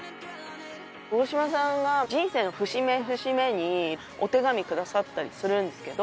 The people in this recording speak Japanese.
大島さんが人生の節目節目にお手紙くださったりするんですけど。